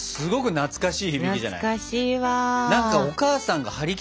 懐かしい。